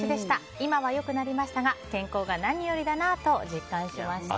今は良くなりましたが健康が何よりだなと実感しました。